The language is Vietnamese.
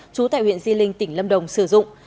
trú tại huyện di linh tỉnh lâm đồng sử dụng